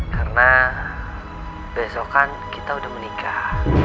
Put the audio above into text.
karena besok kan kita udah menikah